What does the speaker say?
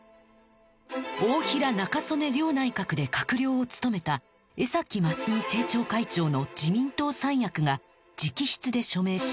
大平中曽根両内閣で閣僚を務めた江真澄政調会長の自民党三役が直筆で署名しました